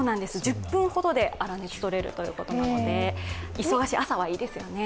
１０分ほどであら熱が取れるということなので忙しい朝はいいですよね。